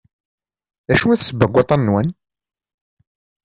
D acu i d ssebba n waṭṭan-nwen?